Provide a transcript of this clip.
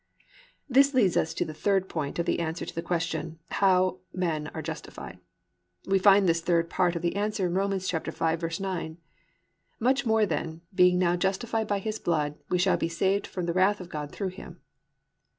3. This leads us to the third part of the answer to the question, how men are justified. We find this third part of the answer in Rom. 5:9, +"Much more then, being now justified by his blood, shall we be saved from the wrath of God through Him."